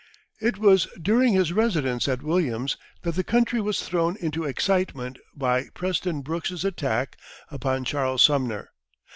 It was during his residence at Williams' that the country was thrown into excitement by Preston Brooks' attack upon Charles Sumner.